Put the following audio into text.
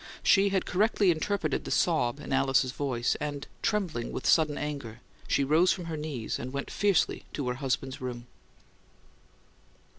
She had correctly interpreted the sob in Alice's voice, and, trembling with sudden anger, she rose from her knees, and went fiercely to her husband's room.